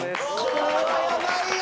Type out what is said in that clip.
「これはやばいよ！」